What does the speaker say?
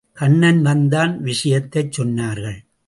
கண்ணன் வந்தான், விஷயத்தைச் சொன்னார்கள்.